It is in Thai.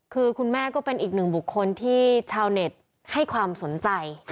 คือคุณแม่ก็เป็นอีกหนึ่งบุคคลที่ชาวเน็ตให้ความสนใจ